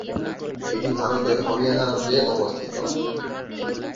এটি ভারতের হরিয়ানা রাজ্যে অবস্থিত।